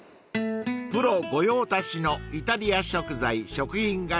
［プロ御用達のイタリア食材食品がずらり］